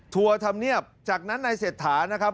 ธรรมเนียบจากนั้นนายเศรษฐานะครับ